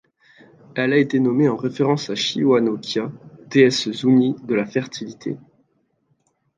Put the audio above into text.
Elle a été nommée en référence à Shiwanokia, déesse Zuñi de la fertilité.